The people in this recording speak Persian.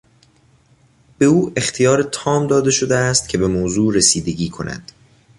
به او اختیار تام داده شده است که به موضوع رسیدگی کند.